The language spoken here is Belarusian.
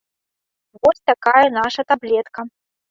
Вось такая наша таблетка.